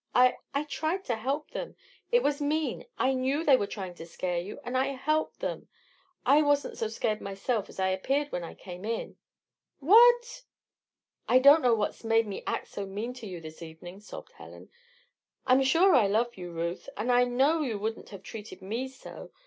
"I I tried to help them. It was mean. I knew they were trying to scare you, and I helped them. I wasn't so scared myself as I appeared when I came in." "WHAT?" "I don't know what's made me act so mean to you this evening," sobbed Helen. "I'm sure I love you, Ruth. And I know you wouldn't have treated me so.